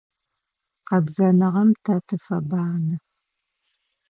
Къэбзэныгъэм тэ тыфэбанэ.